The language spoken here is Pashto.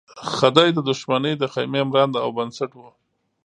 خدۍ د دښمنۍ د خېمې مرانده او بنسټ وه.